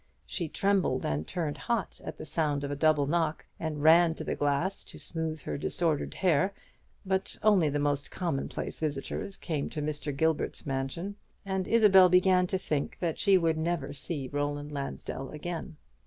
She trembled and turned hot at the sound of a double knock, and ran to the glass to smooth her disordered hair: but only the most commonplace visitors came to Mr. Gilbert's mansion; and Isabel began to think that she would never see Roland Lansdell again.